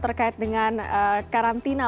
terkait dengan karantina